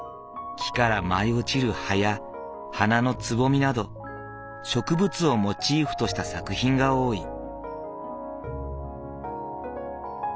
木から舞い落ちる葉や花のつぼみなど植物をモチーフとした作品が多い。